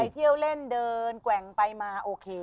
เที่ยวเล่นเดินแกว่งไปมาโอเค